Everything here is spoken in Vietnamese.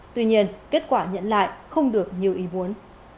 tuy nhiên kết quả nhận lại không được nhiều ý muốn